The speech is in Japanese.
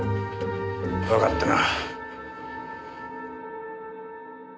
わかったな。